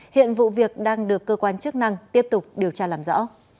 hiện vụ việc đang được cơ quan chức năng tiếp tục điều tra làm rõ